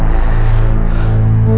terima kasih semua